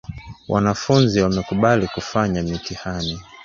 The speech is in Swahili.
wanafunzi wamekubali kufanya mitihani.